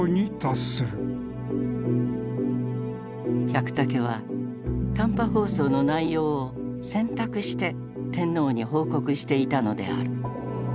百武は短波放送の内容を選択して天皇に報告していたのである。